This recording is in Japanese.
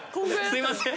すいません。